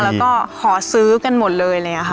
แล้วก็ขอซื้อกันหมดเลยเลยค่ะ